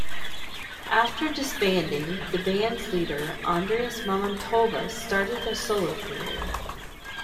After disbanding the band's leader Andrius Mamontovas started a solo career.